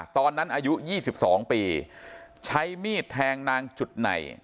ตอนนั้นอายุยี่สิบสองปีใช้มีดแทงนางจุดไหน